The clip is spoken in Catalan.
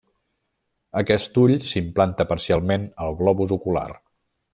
Aquest ull s'implanta parcialment al globus ocular.